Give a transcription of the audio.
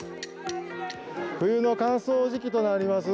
冬の乾燥時期となります。